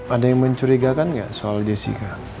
ada yang mencurigakan nggak soal jessica